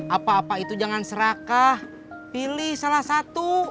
apa apa itu jangan serakah pilih salah satu